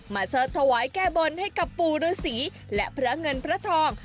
เชิดถวายแก้บนให้กับปู่ฤษีและพระเงินพระทอง